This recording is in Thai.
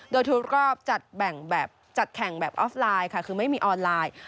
โดยทุกรอบจัดแบ่งแบบจัดแข่งแบบออฟไลน์ค่ะคือไม่มีออนไลน์